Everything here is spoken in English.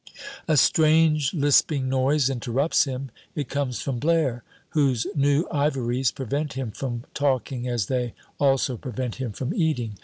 A strange lisping noise interrupts him. It comes from Blaire, whose new ivories prevent him from talking as they also prevent him from eating.